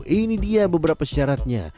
ini dia beberapa syaratnya